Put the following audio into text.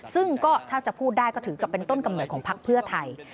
ซึ่งก็ถ้าจะพูดได้ก็ถือกับเป็นต้นกำเนิดของพักเพื่อไทย